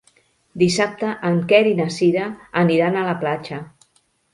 Dissabte en Quer i na Cira aniran a la platja.